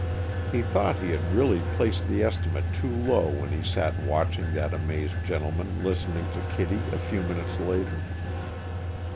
He thought he had really placed the estimate too low when he sat watching that amazed gentleman listening to Kittie a few minutes later.